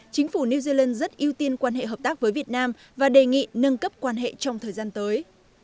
chính phủ new zealand rất ưu tiên quan hệ hợp tác với việt nam và đề nghị nâng cấp quan hệ trong thời gian tới